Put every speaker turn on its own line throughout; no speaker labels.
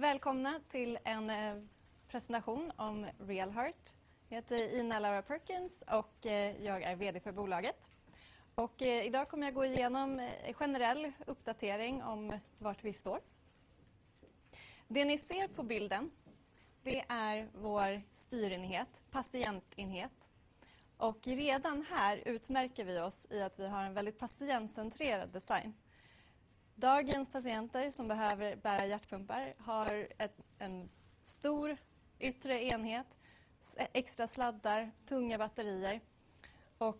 Välkomna till en presentation om Real Heart. Jag heter Ina Laura Perkins och jag är VD för bolaget. Idag kommer jag gå igenom en generell uppdatering om var vi står. Det ni ser på bilden, det är vår styrenhet, patientenhet. Redan här utmärker vi oss i att vi har en väldigt patientcentrerad design. Dagens patienter som behöver bära hjärtpumpar har en stor yttre enhet, extra sladdar, tunga batterier.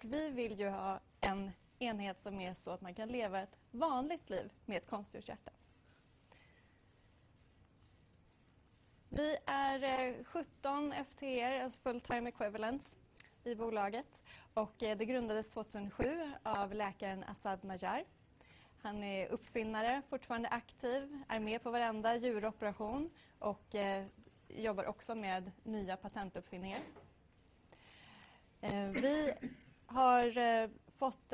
Vi vill ju ha en enhet som är så att man kan leva ett vanligt liv med ett konstgjort hjärta. Vi är 17 FTE:er, alltså full time equivalence, i bolaget. Det grundades 2007 av läkaren Asad Najjar. Han är uppfinnare, fortfarande aktiv, är med på varenda djuroperation och jobbar också med nya patentuppfinningar. Vi har fått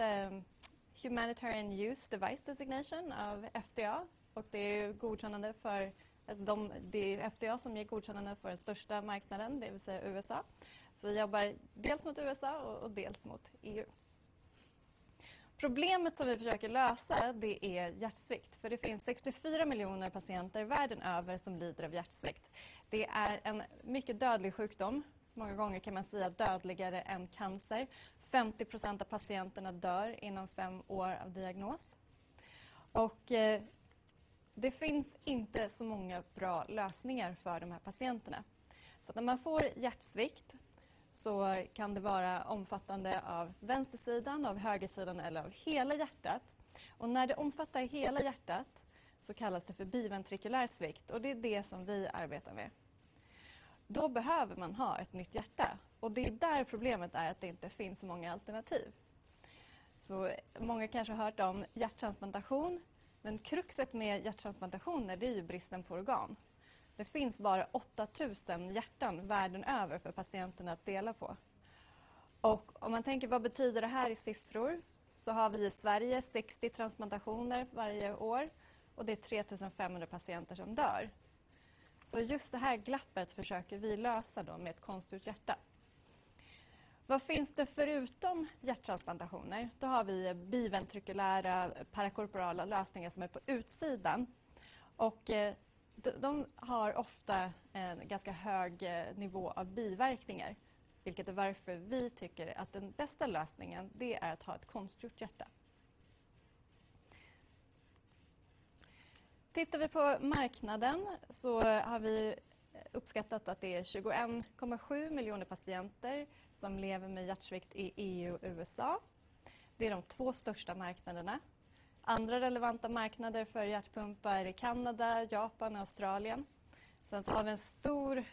Humanitarian Use Device Designation av FDA. Och det är ju godkännande för, alltså det är FDA som ger godkännande för den största marknaden, det vill säga USA. Så vi jobbar dels mot USA och dels mot EU. Problemet som vi försöker lösa, det är hjärtsvikt. För det finns 64 miljoner patienter världen över som lider av hjärtsvikt. Det är en mycket dödlig sjukdom, många gånger kan man säga dödligare än cancer. 50% av patienterna dör inom fem år av diagnos. Och det finns inte så många bra lösningar för de här patienterna. Så när man får hjärtsvikt så kan det vara omfattande av vänstersidan, av högersidan eller av hela hjärtat. Och när det omfattar hela hjärtat så kallas det för biventrikulär svikt. Och det är det som vi arbetar med. Då behöver man ha ett nytt hjärta. Och det är där problemet är att det inte finns så många alternativ. Så många kanske har hört om hjärttransplantation. Men kruxet med hjärttransplantationer, det är ju bristen på organ. Det finns bara 8,000 hjärtan världen över för patienterna att dela på. Och om man tänker vad betyder det här i siffror, så har vi i Sverige 60 transplantationer varje år. Och det är 3,500 patienter som dör. Just det här glappet försöker vi lösa då med ett konstgjort hjärta. Vad finns det förutom hjärttransplantationer? Då har vi biventrikulära parakorporala lösningar som är på utsidan. Och de har ofta en ganska hög nivå av biverkningar. Vilket är varför vi tycker att den bästa lösningen, det är att ha ett konstgjort hjärta. Tittar vi på marknaden så har vi uppskattat att det är 21.7 miljoner patienter som lever med hjärtsvikt i EU och USA. Det är de två största marknaderna. Andra relevanta marknader för hjärtpumpar är Kanada, Japan och Australien. Sen så har vi en stor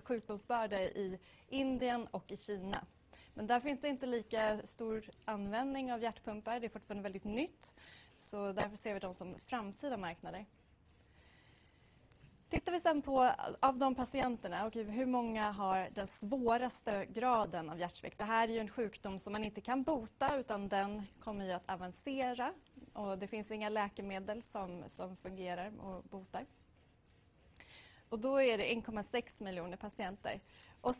sjukdomsbörda i Indien och i Kina. Men där finns det inte lika stor användning av hjärtpumpar. Det är fortfarande väldigt nytt. Så därför ser vi dem som framtida marknader. Tittar vi sen på av de patienterna, okej, hur många har den svåraste graden av hjärtsvikt? Det här är ju en sjukdom som man inte kan bota, utan den kommer ju att avancera. Det finns inga läkemedel som fungerar och botar. Då är det 1,6 miljoner patienter.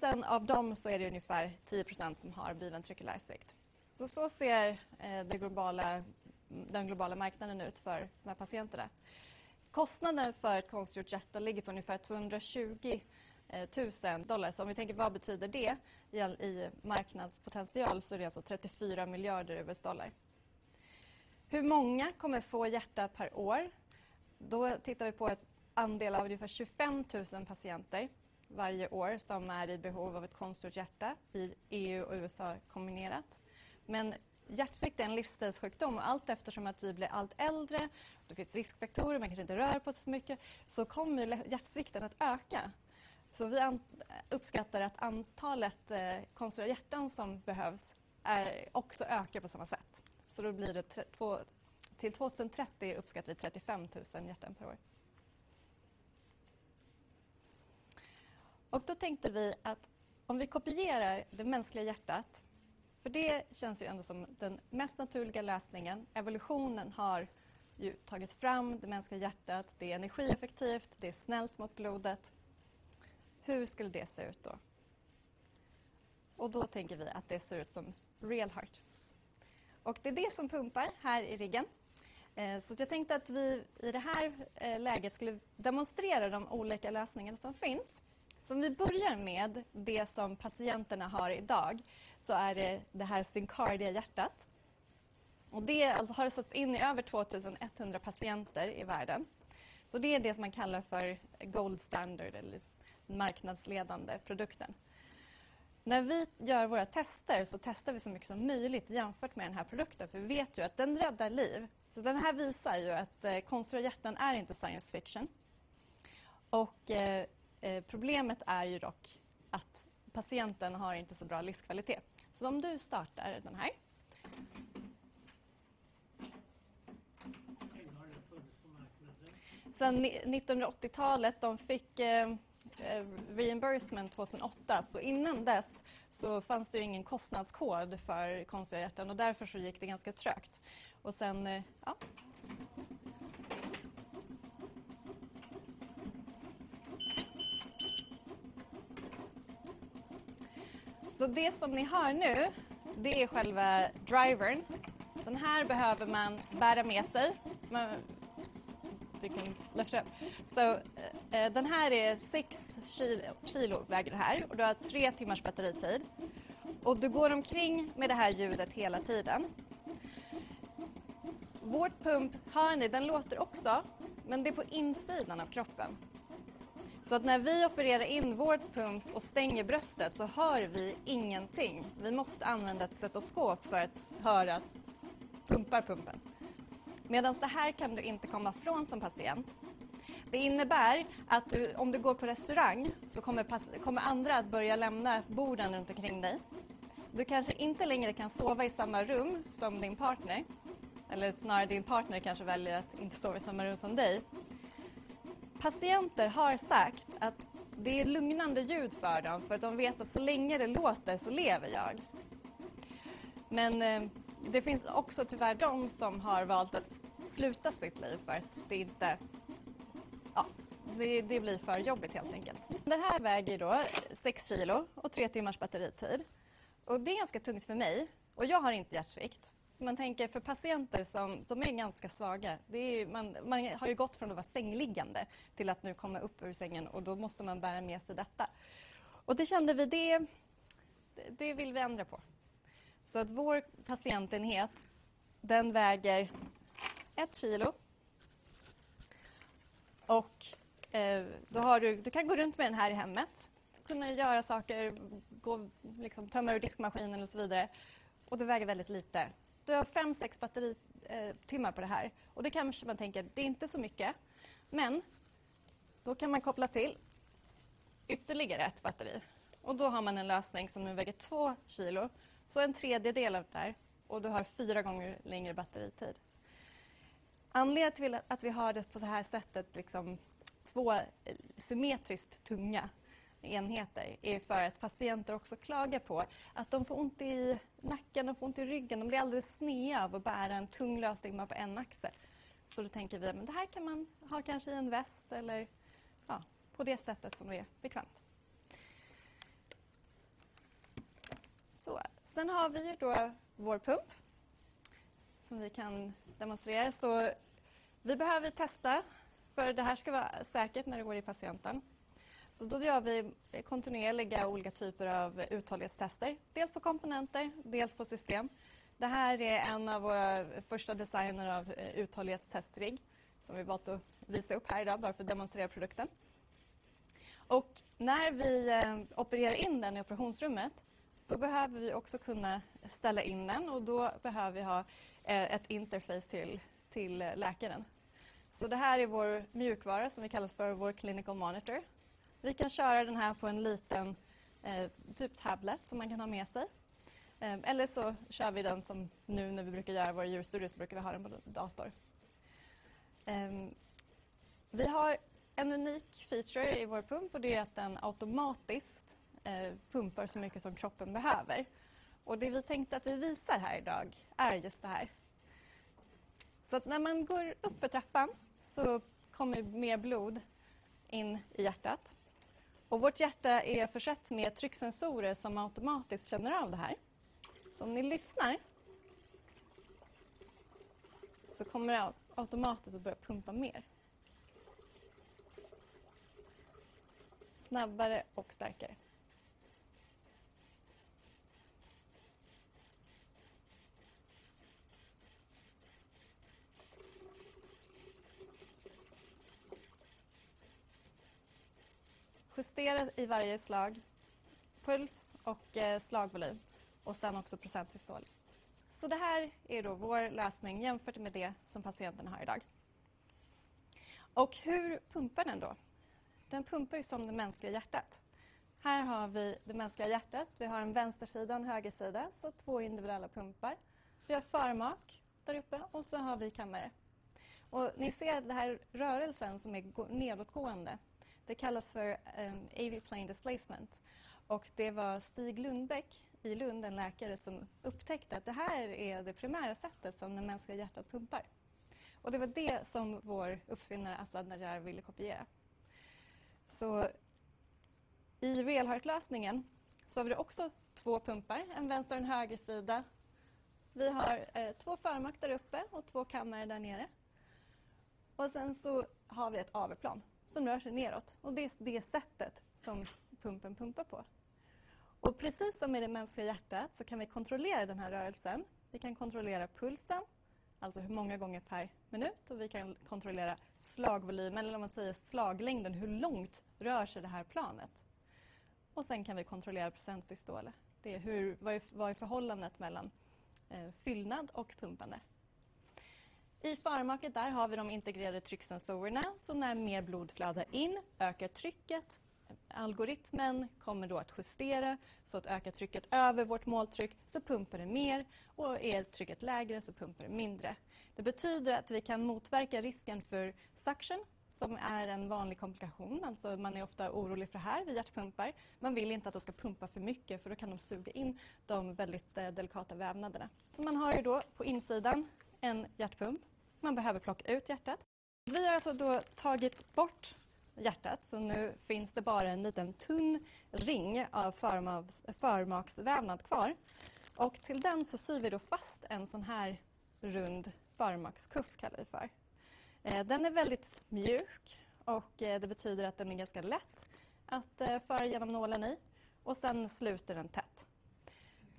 Sen av dem så är det ungefär 10% som har biventrikulär svikt. Så ser den globala marknaden ut för de här patienterna. Kostnaden för ett konstgjort hjärta ligger på ungefär $220,000. Om vi tänker vad betyder det i marknadspotential, så är det alltså $34 miljarder. Hur många kommer få hjärta per år? Då tittar vi på en andel av ungefär 25,000 patienter varje år som är i behov av ett konstgjort hjärta i EU och USA kombinerat. Men hjärtsvikt är en livsstilssjukdom. Allt eftersom att vi blir allt äldre, det finns riskfaktorer, man kanske inte rör på sig så mycket, så kommer hjärtsvikten att öka. Vi uppskattar att antalet konstgjorda hjärtan som behövs också ökar på samma sätt. Då blir det två till 2030 uppskattar vi 35,000 hjärtan per år. Då tänkte vi att om vi kopierar det mänskliga hjärtat, för det känns ju ändå som den mest naturliga lösningen. Evolutionen har ju tagit fram det mänskliga hjärtat. Det är energieffektivt, det är snällt mot blodet. Hur skulle det se ut då? Då tänker vi att det ser ut som Real Heart. Det är det som pumpar här i ryggen. Så jag tänkte att vi i det här läget skulle demonstrera de olika lösningarna som finns. Om vi börjar med det som patienterna har idag, så är det det här SynCardia hjärtat. Det har satts in i över 2100 patienter i världen. Det är det som man kallar för gold standard eller marknadsledande produkten. När vi gör våra tester så testar vi så mycket som möjligt jämfört med den här produkten, för vi vet ju att den räddar liv. Den här visar ju att konstgjorda hjärtan är inte science fiction. Problemet är ju dock att patienten har inte så bra livskvalitet. Sen 1980-talet fick de reimbursement 2008. Innan dess så fanns det ju ingen kostnadskod för konstgjorda hjärtan, och därför så gick det ganska trögt. Så det som ni hör nu, det är själva drivern. Den här behöver man bära med sig. Vi kan lyfta den. Så den här är 6 kilo väger det här. Och du har 3 timmars batteritid. Och du går omkring med det här ljudet hela tiden. Vår pump, hör ni, den låter också. Men det är på insidan av kroppen. Så när vi opererar in vår pump och stänger bröstet så hör vi ingenting. Vi måste använda ett stetoskop för att höra att pumpen pumpar. Medan det här kan du inte komma från som patient. Det innebär att om du går på restaurang så kommer andra att börja lämna borden runt omkring dig. Du kanske inte längre kan sova i samma rum som din partner. Eller snarare din partner kanske väljer att inte sova i samma rum som dig. Patienter har sagt att det är lugnande ljud för dem. För att de vet att så länge det låter så lever jag. Men det finns också tyvärr de som har valt att sluta sitt liv för att det inte, ja, det blir för jobbigt helt enkelt. Den här väger då 6 kilo och 3 timmars batteritid. Det är ganska tungt för mig. Jag har inte hjärtsvikt. Man tänker för patienter som är ganska svaga. Det är ju, man har ju gått från att vara sängliggande till att nu komma upp ur sängen. Då måste man bära med sig detta. Det kände vi, det vill vi ändra på. Vår patientenhet, den väger 1 kilo. Då har du, du kan gå runt med den här i hemmet. Kunna göra saker, gå tömma ur diskmaskinen och så vidare. Det väger väldigt lite. Du har 5-6 batteritimmar på det här. Och det kanske man tänker, det är inte så mycket. Men då kan man koppla till ytterligare ett batteri. Och då har man en lösning som nu väger 2 kilo. Så en tredjedel av det där. Och du har 4 gånger längre batteritid. Anledningen till att vi har det på det här sättet, liksom två symmetriskt tunga enheter, är för att patienter också klagar på att de får ont i nacken, de får ont i ryggen. De blir alldeles snea av att bära en tung lösning med på en axel. Så då tänker vi, men det här kan man ha kanske i en väst eller, ja, på det sättet som det är bekvämt. Sen har vi ju då vår pump. Som vi kan demonstrera. Vi behöver ju testa för det här ska vara säkert när det går i patienten. Så då gör vi kontinuerliga olika typer av uthållighetstester. Dels på komponenter, dels på system. Det här är en av våra första designer av uthållighetstestrigg. Som vi valt att visa upp här idag, bara för att demonstrera produkten. När vi opererar in den i operationsrummet, då behöver vi också kunna ställa in den. Då behöver vi ha ett interface till läkaren. Det här är vår mjukvara som vi kallar för vår Clinical Monitor. Vi kan köra den här på en liten tablet som man kan ha med sig, eller så kör vi den som nu när vi brukar göra våra djurstudier så brukar vi ha den på dator. Vi har en unik feature i vår pump och det är att den automatiskt pumpar så mycket som kroppen behöver. Det vi tänkte att vi visar här idag är just det här. När man går upp för trappan kommer mer blod in i hjärtat. Vårt hjärta är försett med trycksensorer som automatiskt känner av det här. Om ni lyssnar kommer det automatiskt att börja pumpa mer. Snabbare och starkare. Justeras i varje slag. Puls och slagvolym. Sen också procentsystol. Det här är då vår lösning jämfört med det som patienten har idag. Hur pumpar den då? Den pumpar ju som det mänskliga hjärtat. Här har vi det mänskliga hjärtat. Vi har en vänstersida och en högersida. Två individuella pumpar. Vi har förmak där uppe och vi har kammare. Ni ser den här rörelsen som är nedåtgående. Det kallas för AV plane displacement. Det var Stig Lundbeck i Lund, en läkare, som upptäckte att det här är det primära sättet som det mänskliga hjärtat pumpar. Och det var det som vår uppfinnare Asad Najjar ville kopiera. I Real Heart-lösningen har vi också två pumpar. En vänster och en högersida. Vi har två förmak där uppe och två kamrar där nere. Sen har vi ett AV-plan som rör sig neråt. Det är det sättet som pumpen pumpar på. Precis som i det mänskliga hjärtat kan vi kontrollera den här rörelsen. Vi kan kontrollera pulsen, alltså hur många gånger per minut. Vi kan kontrollera slagvolymen, eller om man säger slaglängden, hur långt rör sig det här planet. Sen kan vi kontrollera procentsystol. Det är hur, vad är förhållandet mellan fyllnad och pumpande. I förmaket har vi de integrerade trycksensorerna. När mer blodflöde kommer in, ökar trycket. Algoritmen kommer då att justera så att ökar trycket över vårt måltryck, så pumpar det mer. Och är trycket lägre så pumpar det mindre. Det betyder att vi kan motverka risken för suction, som är en vanlig komplikation. Alltså man är ofta orolig för det här vid hjärtpumpar. Man vill inte att de ska pumpa för mycket, för då kan de suga in de väldigt delikata vävnaderna. Så man har då på insidan en hjärtpump. Man behöver plocka ut hjärtat. Vi har alltså då tagit bort hjärtat. Så nu finns det bara en liten tunn ring av förmaksvävnad kvar. Och till den så syr vi då fast en sådan här rund förmakskuff, kallar vi för. Den är väldigt mjuk och det betyder att den är ganska lätt att föra genom nålen. Och sen sluter den tätt.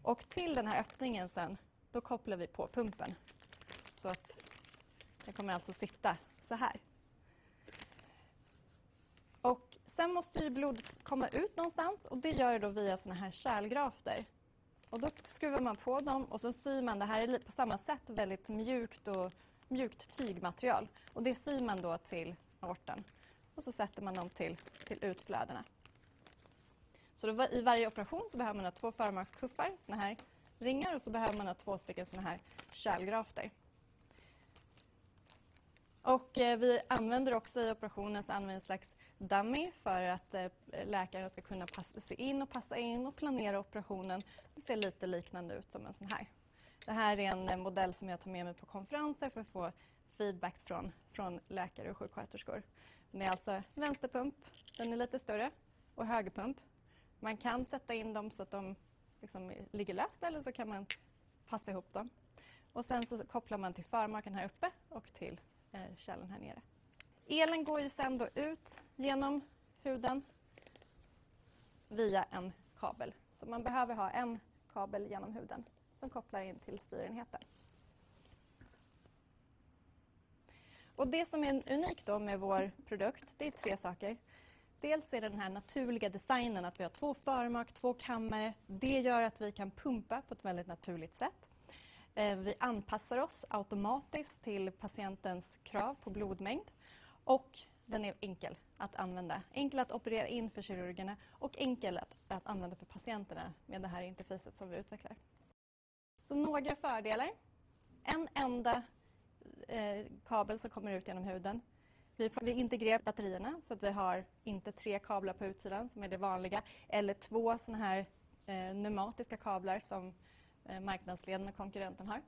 Och till den här öppningen sen, då kopplar vi på pumpen. Så att den kommer alltså sitta så här. Och sen måste blodet komma ut någonstans. Och det gör det då via såna här kärlgrafter. Och då skruvar man på dem och sen syr man det här på samma sätt. Väldigt mjukt och mjukt tygmaterial. Och det syr man då till orten. Och så sätter man dem till utflödena. Så i varje operation så behöver man ha två förmakskuffar, såna här ringar. Och så behöver man ha två stycken såna här kärlgrafter. Och vi använder också i operationen, så använder vi en slags dummy för att läkaren ska kunna passa sig in och passa in och planera operationen. Det ser lite liknande ut som en sån här. Det här är en modell som jag tar med mig på konferenser för att få feedback från läkare och sjuksköterskor. Det är alltså vänsterpump, den är lite större. Och högerpump. Man kan sätta in dem så att de liksom ligger löst, eller så kan man passa ihop dem. Och sen så kopplar man till förmaken här uppe och till källen här nere. Elen går ju sen då ut genom huden via en kabel. Så man behöver ha en kabel genom huden som kopplar in till styrenheten. Och det som är unikt då med vår produkt, det är tre saker. Dels är det den här naturliga designen att vi har två förmak, två kammare. Det gör att vi kan pumpa på ett väldigt naturligt sätt. Vi anpassar oss automatiskt till patientens krav på blodmängd. Och den är enkel att använda. Enkel att operera in för kirurgerna. Och enkel att använda för patienterna med det här interfacet som vi utvecklar. Så några fördelar. En enda kabel som kommer ut genom huden. Vi integrerar batterierna så att vi har inte tre kablar på utsidan som är det vanliga. Eller två såna här pneumatiska kablar som marknadsledande konkurrenten har.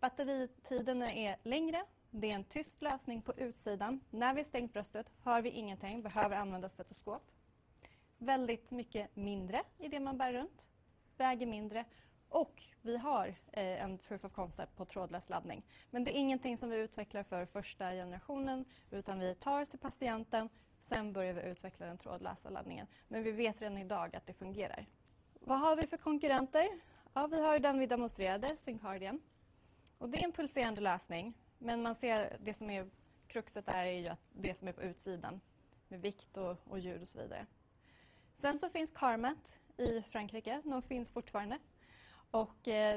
Batteritiderna är längre. Det är en tyst lösning på utsidan. När vi har stängt bröstet hör vi ingenting. Behöver använda stetoskop. Väldigt mycket mindre i det man bär runt. Väger mindre. Vi har en proof of concept på trådlös laddning. Men det är ingenting som vi utvecklar för första generationen. Utan vi tar oss till patienten. Sen börjar vi utveckla den trådlösa laddningen. Men vi vet redan idag att det fungerar. Vad har vi för konkurrenter? Vi har ju den vi demonstrerade, Syncardian. Det är en pulserande lösning. Men man ser det som är kruxet där är ju att det som är på utsidan. Med vikt och ljud och så vidare. Sen så finns CarMat i Frankrike. De finns fortfarande.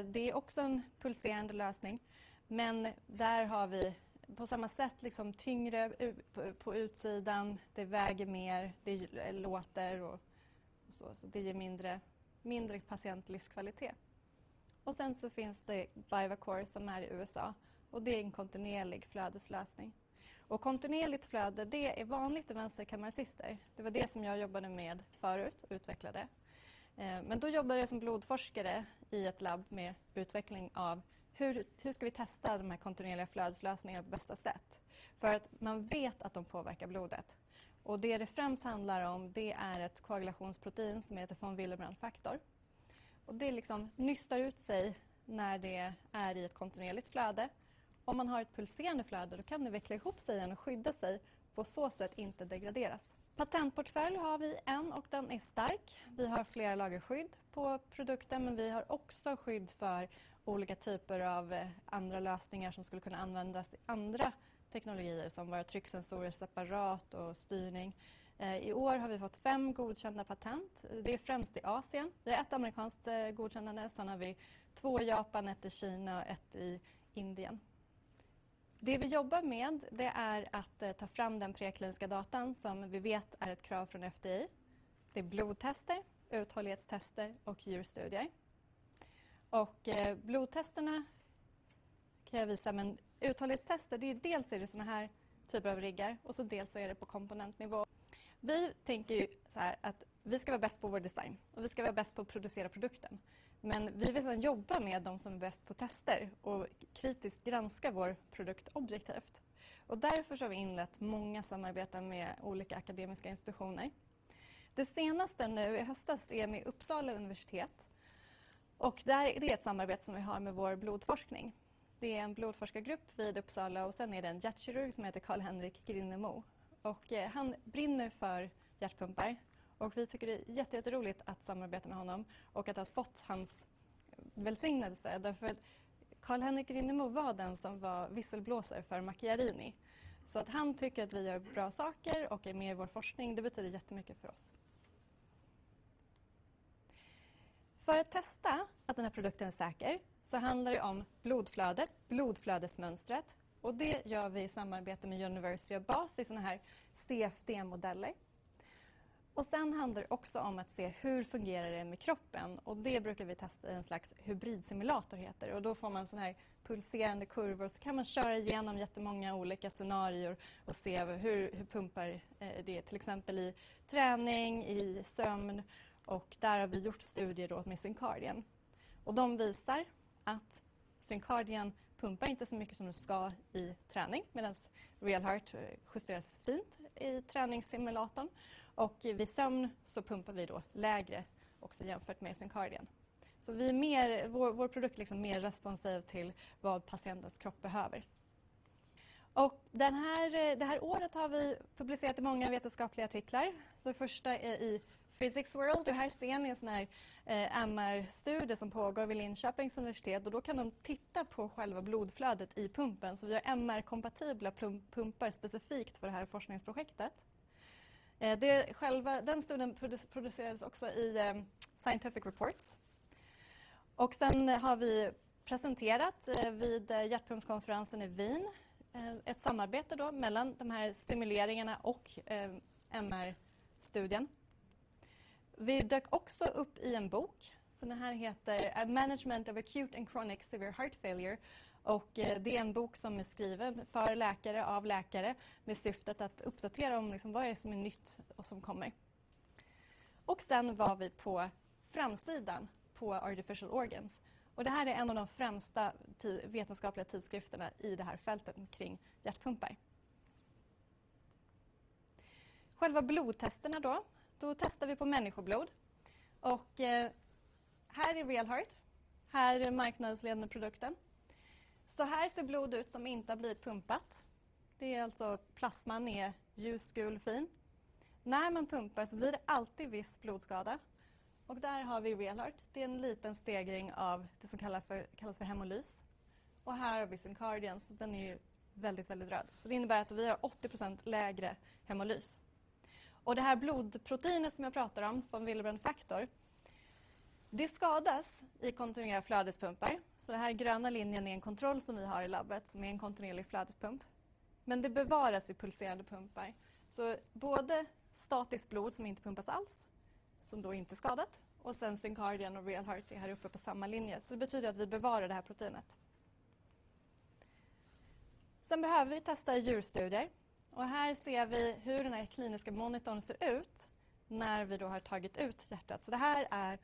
Det är också en pulserande lösning. Men där har vi på samma sätt liksom tyngre på utsidan. Det väger mer. Det låter och så. Så det ger mindre patientlivskvalitet. Och sen så finns det BioVacore som är i USA. Och det är en kontinuerlig flödeslösning. Kontinuerligt flöde, det är vanligt i vänsterkammarcyster. Det var det som jag jobbade med förut och utvecklade. Men då jobbade jag som blodforskare i ett labb med utveckling av hur ska vi testa de här kontinuerliga flödeslösningarna på bästa sätt. För att man vet att de påverkar blodet. Och det det främst handlar om, det är ett koagulationsprotein som heter von Willebrand-faktor. Och det liksom nystar ut sig när det är i ett kontinuerligt flöde. Om man har ett pulserande flöde, då kan det veckla ihop sig igen och skydda sig. På så sätt inte degraderas. Patentportfölj har vi en och den är stark. Vi har flera lagerskydd på produkten. Men vi har också skydd för olika typer av andra lösningar som skulle kunna användas i andra teknologier. Som våra trycksensorer separat och styrning. I år har vi fått fem godkända patent. Det är främst i Asien. Vi har ett amerikanskt godkännande. Sen har vi två i Japan, ett i Kina och ett i Indien. Det vi jobbar med, det är att ta fram den prekliniska datan som vi vet är ett krav från FDA. Det är blodtester, uthållighetstester och djurstudier. Blodtesterna kan jag visa. Men uthållighetstester, det är dels såna här typer av riggar. Dels så är det på komponentnivå. Vi tänker ju så här att vi ska vara bäst på vår design. Vi ska vara bäst på att producera produkten. Men vi vill sen jobba med de som är bäst på tester. Kritiskt granska vår produkt objektivt. Därför så har vi inlett många samarbeten med olika akademiska institutioner. Det senaste nu i höstas är med Uppsala Universitet. Och där är det ett samarbete som vi har med vår blodforskning. Det är en blodforskargrupp vid Uppsala. Och sen är det en hjärtkirurg som heter Carl-Henrik Grindemo. Och han brinner för hjärtpumpar. Och vi tycker det är jätte, jätteroligt att samarbeta med honom. Och att ha fått hans välsignelse. Därför att Carl-Henrik Grindemo var den som var visselblåsare för Macchiarini. Så att han tycker att vi gör bra saker och är med i vår forskning. Det betyder jättemycket för oss. För att testa att den här produkten är säker så handlar det om blodflödet, blodflödesmönstret. Och det gör vi i samarbete med University of Basel i såna här CFD-modeller. Och sen handlar det också om att se hur fungerar det med kroppen. Och det brukar vi testa i en slags hybridsimulator heter. Och då får man såna här pulserande kurvor. Och så kan man köra igenom jättemånga olika scenarier och se hur pumpar det är. Till exempel i träning, i sömn. Och där har vi gjort studier då med Syncardian. Och de visar att Syncardian pumpar inte så mycket som det ska i träning. Medan Real Heart justeras fint i träningssimulatorn. Och vid sömn så pumpar vi då lägre också jämfört med Syncardian. Så vi är mer, vår produkt är liksom mer responsiv till vad patientens kropp behöver. Och det här året har vi publicerat i många vetenskapliga artiklar. Så det första är i Physics World. Och här ser ni en sådan här MR-studie som pågår vid Linköpings universitet. Och då kan de titta på själva blodflödet i pumpen. Så vi har MR-kompatibla pumpar specifikt för det här forskningsprojektet. Den studien publicerades också i Scientific Reports. Och sen har vi presenterat vid hjärtpumpskonferensen i Wien. Ett samarbete då mellan de här simuleringarna och MR-studien. Vi dök också upp i en bok. Så den här heter Management of Acute and Chronic Severe Heart Failure. Det är en bok som är skriven för läkare av läkare med syftet att uppdatera om vad det är som är nytt och som kommer. Sen var vi på framsidan på Artificial Organs. Det här är en av de främsta vetenskapliga tidskrifterna i det här fältet kring hjärtpumpar. Själva blodtesterna då, då testar vi på människoblod. Här är Real Heart. Här är marknadsledande produkten. Så här ser blod ut som inte har blivit pumpat. Det är alltså plasman är ljusgul och fin. När man pumpar så blir det alltid viss blodskada. Där har vi Real Heart. Det är en liten stegring av det som kallas för hemolys. Här har vi Syncardians. Den är ju väldigt, väldigt röd. Det innebär att vi har 80% lägre hemolys. Det här blodproteinet som jag pratar om, von Willebrand-faktor, skadas i kontinuerliga flödespumpar. Den här gröna linjen är en kontroll som vi har i labbet som är en kontinuerlig flödespump. Men det bevaras i pulserande pumpar. Både statiskt blod som inte pumpas alls, som då inte är skadat, och sen Syncardian och Real Heart är här uppe på samma linje. Det betyder att vi bevarar det här proteinet. Sen behöver vi testa djurstudier. Här ser vi hur den här kliniska monitorn ser ut när vi då har tagit ut hjärtat. Det här är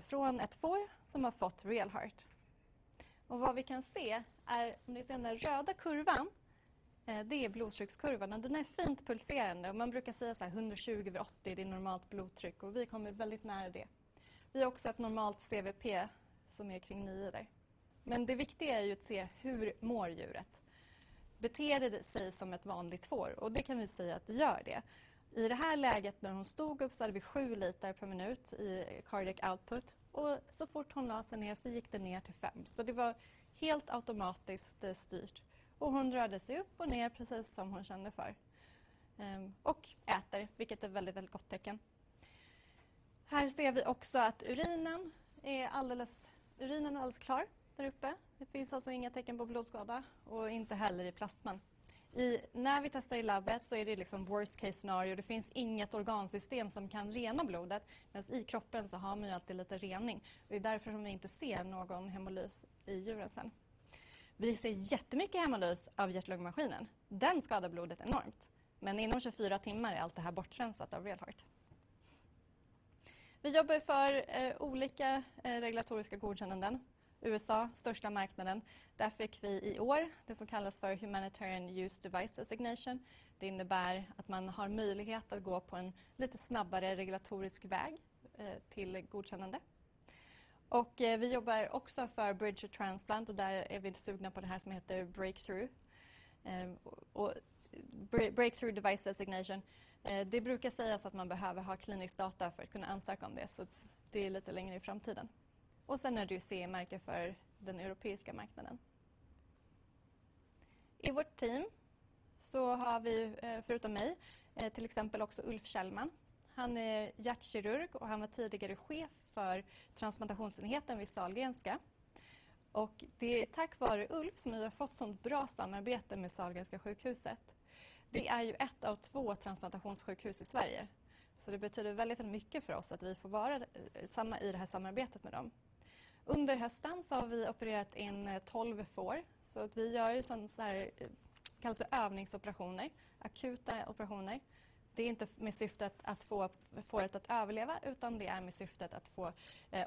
från ett får som har fått Real Heart. Vad vi kan se är, om ni ser den här röda kurvan, det är blodtryckskurvan och den är fint pulserande. Och man brukar säga så här, 120 över 80 är det normala blodtrycket. Och vi kommer väldigt nära det. Vi har också ett normalt CVP som är kring 9 där. Men det viktiga är ju att se hur mår djuret. Beter det sig som ett vanligt får? Och det kan vi säga att det gör det. I det här läget när hon stod upp så hade vi 7 liter per minut i cardiac output. Och så fort hon la sig ner så gick det ner till 5. Så det var helt automatiskt styrt. Och hon rörde sig upp och ner precis som hon kände för. Och äter, vilket är ett väldigt, väldigt gott tecken. Här ser vi också att urinen är alldeles, urinen är alldeles klar där uppe. Det finns alltså inga tecken på blodskada. Och inte heller i plasman. När vi testar i labbet så är det liksom worst case scenario. Det finns inget organsystem som kan rena blodet. Medan i kroppen så har man ju alltid lite rening. Det är därför som vi inte ser någon hemolys i djuren sen. Vi ser jättemycket hemolys av hjärtlungmaskinen. Den skadar blodet enormt. Men inom 24 timmar är allt det här bortrensat av Real Heart. Vi jobbar ju för olika regulatoriska godkännanden. USA, största marknaden. Där fick vi i år det som kallas för Humanitarian Use Device Designation. Det innebär att man har möjlighet att gå på en lite snabbare regulatorisk väg till godkännande. Vi jobbar också för Bridge to Transplant. Där är vi sugna på det här som heter Breakthrough. Breakthrough Device Designation. Det brukar sägas att man behöver ha klinisk data för att kunna ansöka om det. Så det är lite längre i framtiden. Och sen är det ju CE-märke för den europeiska marknaden. I vårt team så har vi, förutom mig, till exempel också Ulf Källman. Han är hjärtkirurg och han var tidigare Chef för transplantationsenheten vid Sahlgrenska. Och det är tack vare Ulf som vi har fått sådant bra samarbete med Sahlgrenska sjukhuset. Det är ju ett av två transplantationssjukhus i Sverige. Det betyder väldigt mycket för oss att vi får vara med i det här samarbetet med dem. Under hösten så har vi opererat in 12 får. Vi gör ju sådana här, det kallas för övningsoperationer. Akuta operationer. Det är inte med syftet att få fåret att överleva, utan det är med syftet att få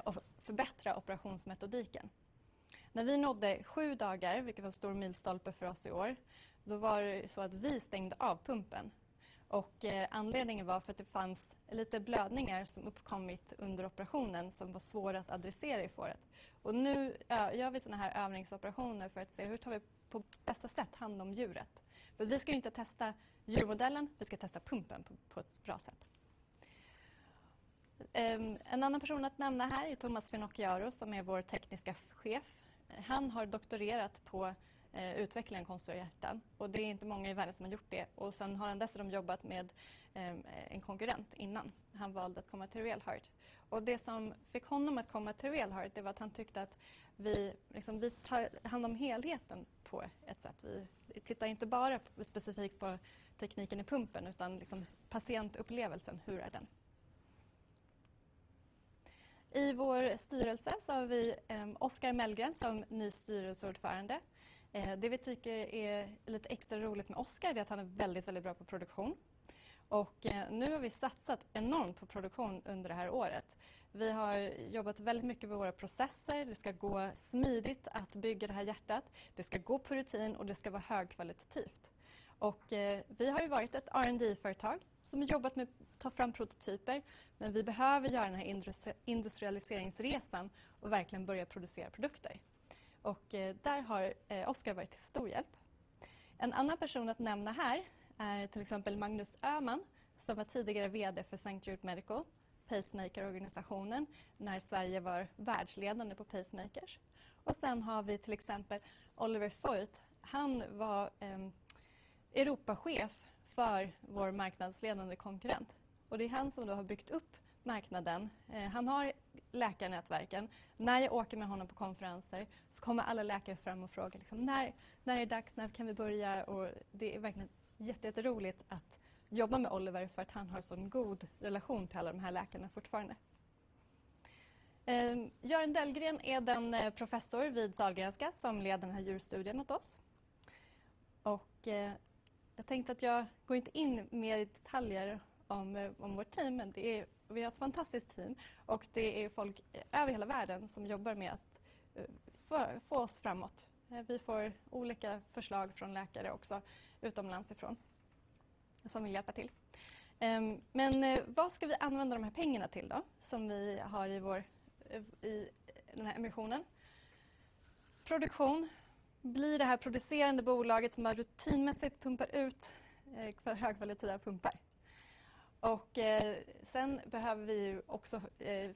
och förbättra operationsmetodiken. När vi nådde sju dagar, vilket var en stor milstolpe för oss i år, då var det så att vi stängde av pumpen. Och anledningen var för att det fanns lite blödningar som uppkommit under operationen som var svåra att adressera i fåret. Och nu gör vi sådana här övningsoperationer för att se hur tar vi på bästa sätt hand om djuret. För att vi ska ju inte testa djurmodellen. Vi ska testa pumpen på ett bra sätt. En annan person att nämna här är Thomas Finocchiaro som är vår Tekniska Chef. Han har doktorerat på utvecklingen av konstruerade hjärtan. Och det är inte många i världen som har gjort det. Och sen har han dessutom jobbat med en konkurrent innan. Han valde att komma till Real Heart. Och det som fick honom att komma till Real Heart det var att han tyckte att vi tar hand om helheten på ett sätt. Vi tittar inte bara specifikt på tekniken i pumpen utan patientupplevelsen. Hur är den? I vår styrelse så har vi Oscar Mellgren som ny styrelseordförande. Det vi tycker är lite extra roligt med Oscar är att han är väldigt, väldigt bra på produktion. Nu har vi satsat enormt på produktion under det här året. Vi har jobbat väldigt mycket med våra processer. Det ska gå smidigt att bygga det här hjärtat. Det ska gå på rutin och det ska vara högkvalitativt. Vi har ju varit ett R&D-företag som har jobbat med att ta fram prototyper. Men vi behöver göra den här industrialiseringsresan och verkligen börja producera produkter. Där har Oscar varit till stor hjälp. En annan person att nämna här är till exempel Magnus Öhman, som var tidigare VD för St. Jude Medical Pacemaker-organisationen när Sverige var världsledande på pacemakers. Sen har vi till exempel Oliver Foit. Han var Europachef för vår marknadsledande konkurrent. Och det är han som då har byggt upp marknaden. Han har läkarnätverken. När jag åker med honom på konferenser så kommer alla läkare fram och frågar: När är det dags? När kan vi börja? Och det är verkligen jätte, jätteroligt att jobba med Oliver, för att han har sådan god relation till alla de här läkarna fortfarande. Göran Dellgren är den professor vid Sahlgrenska som leder den här djurstudien åt oss. Och jag tänkte att jag går inte in mer i detaljer om vårt team. Men vi har ett fantastiskt team. Och det är folk över hela världen som jobbar med att få oss framåt. Vi får olika förslag från läkare också utomlands ifrån som vill hjälpa till. Men vad ska vi använda de här pengarna till då som vi har i vår, i den här emissionen? Produktion. Blir det här producerande bolaget som har rutinmässigt pumpar ut för högkvalitativa pumpar. Sen behöver vi också,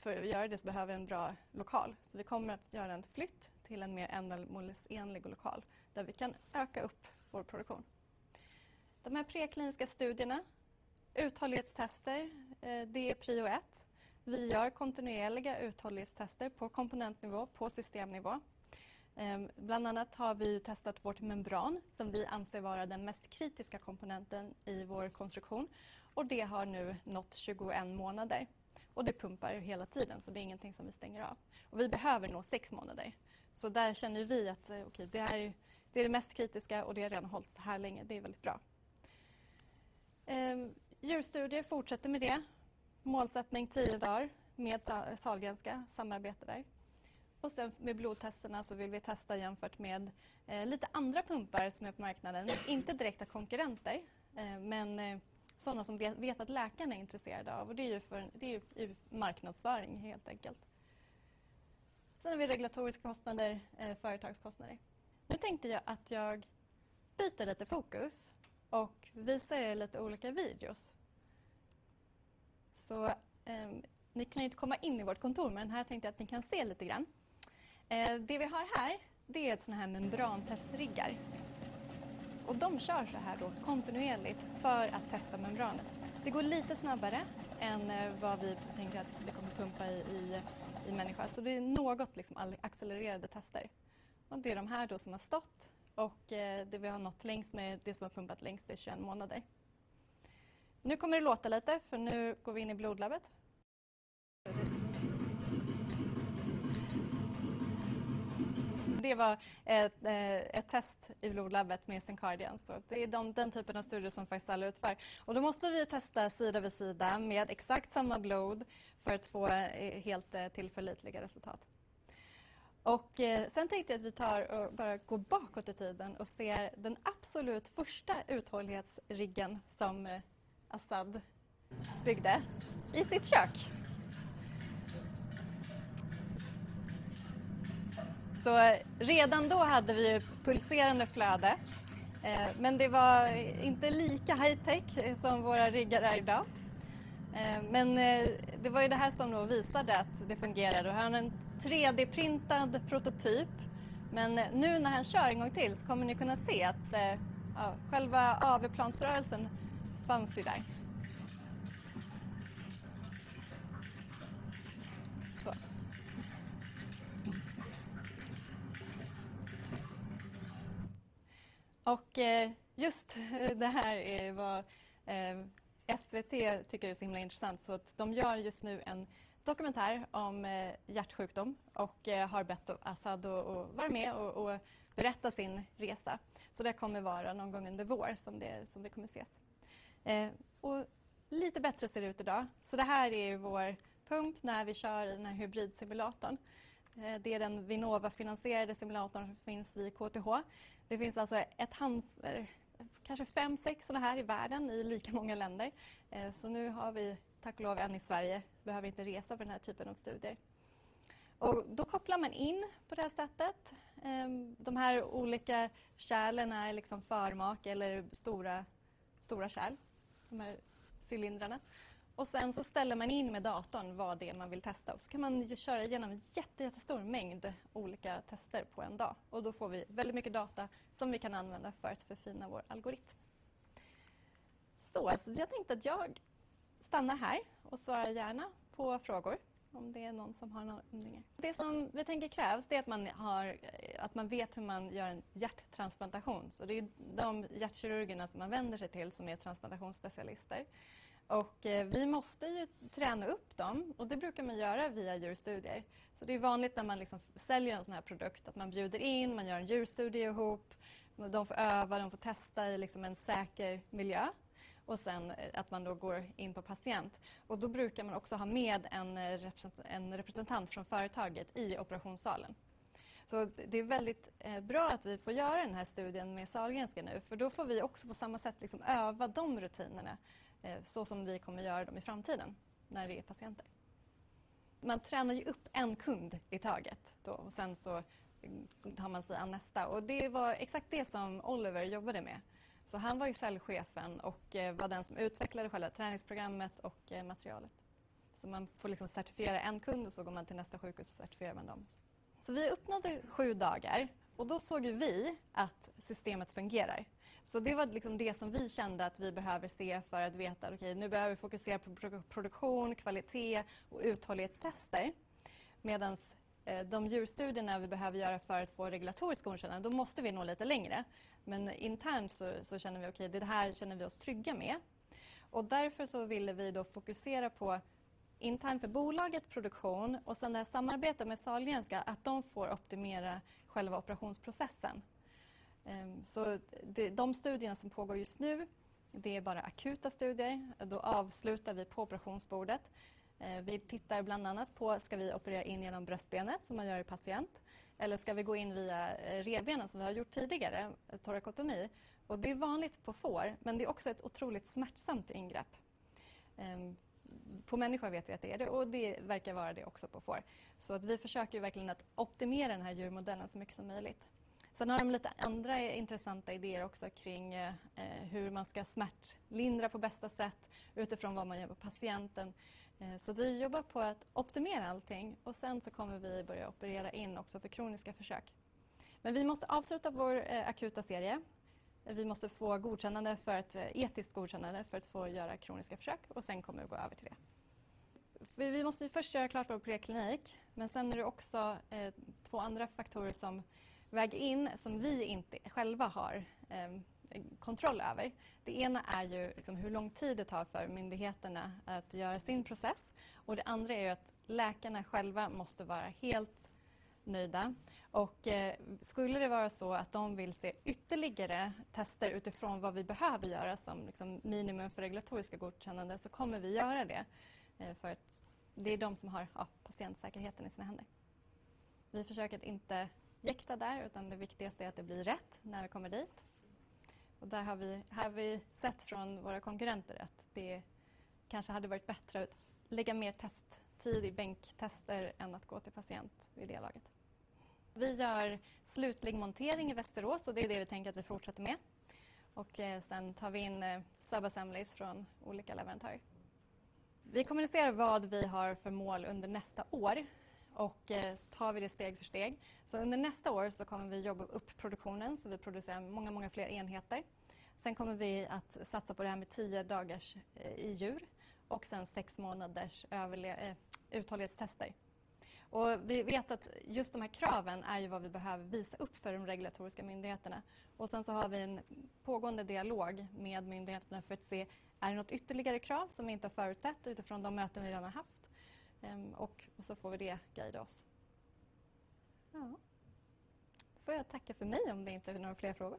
för att göra det så behöver vi en bra lokal. Så vi kommer att göra en flytt till en mer ändamålsenlig lokal där vi kan öka upp vår produktion. De här prekliniska studierna, uthållighetstester, det är prio ett. Vi gör kontinuerliga uthållighetstester på komponentnivå, på systemnivå. Bland annat har vi testat vårt membran som vi anser vara den mest kritiska komponenten i vår konstruktion. Det har nu nått 21 månader och det pumpar hela tiden. Det är ingenting som vi stänger av. Vi behöver nå sex månader. Så där känner vi att okej, det är det mest kritiska och det har redan hållits så här länge. Det är väldigt bra. Djurstudier fortsätter med det. Målsättning 10 dagar med Sahlgrenska samarbete där. Och sen med blodtesterna så vill vi testa jämfört med lite andra pumpar som är på marknaden. Inte direkta konkurrenter. Men sådana som vi vet att läkarna är intresserade av. Och det är ju marknadsföring helt enkelt. Sen har vi regulatoriska kostnader. Företagskostnader. Nu tänkte jag att jag byter lite fokus och visar lite olika videos så ni kan ju inte komma in i vårt kontor. Men här tänkte jag att ni kan se lite grann. Det vi har här, det är sådana här membrantestriggar. Och de kör så här då kontinuerligt för att testa membranet. Det går lite snabbare än vad vi tänker att vi kommer pumpa i människa. Så det är något liksom accelererade tester. Och det är de här då som har stått. Och det vi har nått längst med, det som har pumpat längst är 21 månader. Nu kommer det låta lite. Nu går vi in i blodlabbet. Det var ett test i blodlabbet med Syncardian. Det är den typen av studier som faktiskt alla utför. Då måste vi testa sida vid sida med exakt samma blod för att få helt tillförlitliga resultat. Sen tänkte jag att vi tar och bara går bakåt i tiden och ser den absolut första uthållighetsriggen som Assad byggde i sitt kök. Redan då hade vi ju pulserande flöde. Men det var inte lika high tech som våra riggar är idag. Men det var ju det här som då visade att det fungerade. Han har en 3D-printad prototyp. Men nu när han kör en gång till så kommer ni kunna se att själva AV-plansrörelsen fanns ju där. Just det här är vad SVT tycker är så himla intressant. De gör just nu en dokumentär om hjärtsjukdom. Och har bett Assad att vara med och berätta sin resa. Så det kommer vara någon gång under våren som det kommer ses. Och lite bättre ser det ut idag. Så det här är ju vår pump när vi kör i den här hybridsimulatorn. Det är den Vinnova-finansierade simulatorn som finns vid KTH. Det finns alltså ett handtal, kanske fem, sex sådana här i världen i lika många länder. Så nu har vi tack och lov en i Sverige. Vi behöver inte resa för den här typen av studier. Och då kopplar man in på det här sättet. De här olika kärlen är liksom förmak eller stora, stora kärl. De här cylindrarna. Och sen så ställer man in med datorn vad det är man vill testa. Och så kan man ju köra igenom en jätte, jättestor mängd olika tester på en dag. Och då får vi väldigt mycket data som vi kan använda för att förfina vår algoritm. Så jag tänkte att jag stannar här och svarar gärna på frågor om det är någon som har några undringar. Det som vi tänker krävs det är att man har, att man vet hur man gör en hjärttransplantation. Så det är ju de hjärtkirurgerna som man vänder sig till som är transplantationsspecialister. Vi måste ju träna upp dem. Det brukar man göra via djurstudier. Så det är ju vanligt när man säljer en sådan här produkt att man bjuder in, man gör en djurstudie ihop. De får öva, de får testa i en säker miljö. Sen går man då in på patient. Då brukar man också ha med en representant från företaget i operationssalen. Det är väldigt bra att vi får göra den här studien med Sahlgrenska nu. För då får vi också på samma sätt öva de rutinerna som vi kommer göra dem i framtiden när det är patienter. Man tränar ju upp en kund i taget och sen har man sig an nästa. Det var exakt det som Oliver jobbade med. Han var ju säljchefen och var den som utvecklade själva träningsprogrammet och materialet. Man får certifiera en kund och går man till nästa sjukhus och certifierar man dem. Vi uppnådde sju dagar och då såg ju vi att systemet fungerar. Det var det som vi kände att vi behöver se för att veta. Okej, nu behöver vi fokusera på produktion, kvalitet och uthållighetstester, medan de djurstudierna vi behöver göra för att få regulatorisk godkännande. Då måste vi nå lite längre. Men internt så känner vi okej, det här känner vi oss trygga med. Därför ville vi fokusera på internt för bolaget produktion. Sen det här samarbetet med Sahlgrenska. Att de får optimera själva operationsprocessen. De studierna som pågår just nu. Det är bara akuta studier. Då avslutar vi på operationsbordet. Vi tittar bland annat på, ska vi operera in genom bröstbenet som man gör i patient. Eller ska vi gå in via revbenet som vi har gjort tidigare. Torakotomi. Det är vanligt på får. Men det är också ett otroligt smärtsamt ingrepp. På människor vet vi att det är det. Det verkar vara det också på får. Vi försöker verkligen att optimera den här djurmodellen så mycket som möjligt. Sen har de lite andra intressanta idéer också kring hur man ska smärtlindra på bästa sätt. Utifrån vad man gör på patienten. Vi jobbar på att optimera allting. Sen kommer vi börja operera in också för kroniska försök. Men vi måste avsluta vår akuta serie. Vi måste få godkännande för etiskt godkännande för att få göra kroniska försök. Sen kommer vi gå över till det. Vi måste ju först göra klart vår preklinik. Men sen är det också två andra faktorer som väger in som vi inte själva har kontroll över. Det ena är ju liksom hur lång tid det tar för myndigheterna att göra sin process. Det andra är ju att läkarna själva måste vara helt nöjda. Skulle det vara så att de vill se ytterligare tester utifrån vad vi behöver göra som liksom minimum för regulatoriska godkännande, så kommer vi göra det. För det är de som har patientsäkerheten i sina händer. Vi försöker att inte jäkta där. Utan det viktigaste är att det blir rätt när vi kommer dit. Där har vi sett från våra konkurrenter att det kanske hade varit bättre att lägga mer testtid i bänktester än att gå till patient vid det laget. Vi gör slutlig montering i Västerås. Det är det vi tänker att vi fortsätter med. Sen tar vi in Sub Assemblies från olika leverantörer. Vi kommunicerar vad vi har för mål under nästa år. Så tar vi det steg för steg. Under nästa år så kommer vi jobba upp produktionen. Vi producerar många, många fler enheter. Sen kommer vi att satsa på det här med 10 dagars i djur. Sen 6 månaders uthållighetstester. Vi vet att just de här kraven är ju vad vi behöver visa upp för de regulatoriska myndigheterna. Och sen så har vi en pågående dialog med myndigheterna för att se. Är det något ytterligare krav som vi inte har förutsett utifrån de möten vi redan har haft? Och så får vi det guida oss. Ja. Då får jag tacka för mig om det inte är några fler frågor.